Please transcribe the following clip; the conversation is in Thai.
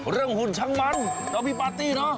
เรื่องหุ่นชั้นมันเจ้าพี่ปาร์ตี้เนอะ